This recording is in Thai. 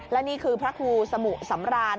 และนี่คือพระครูสมุสำราน